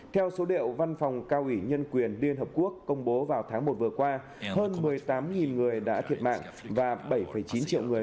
theo số liệu văn phòng cao ủy nhân quyền liên hợp quốc công bố vào tháng một vừa qua hơn một mươi tám người đã thiệt mạng và bảy chín triệu người